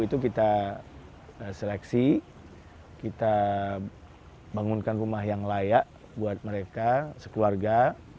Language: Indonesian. itu kita seleksi kita bangunkan rumah yang layak buat mereka sekeluarga